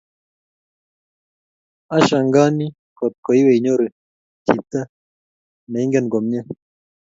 a shangani kot koiwe inyoru chiti ne ingen komie